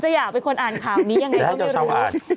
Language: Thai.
จะอยากเป็นคนอ่านขาวนี้อย่างไรก็ไม่รู้